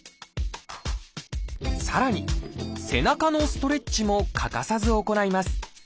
さらに「背中のストレッチ」も欠かさず行います。